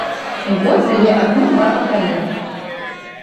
У год дае адно-два пакаленні.